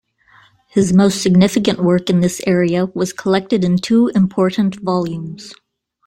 His most significant work in this area was collected in two important volumes.